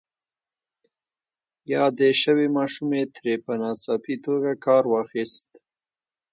يادې شوې ماشومې ترې په ناڅاپي توګه کار واخيست.